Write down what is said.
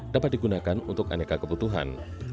dapat digunakan untuk aneka kebutuhan